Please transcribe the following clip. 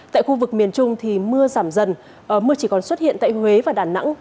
tại khu vực miền trung thì mưa giảm dần mưa chỉ còn xuất hiện tại huế và đà nẵng